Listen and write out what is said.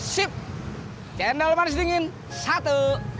sip channel manis dingin satu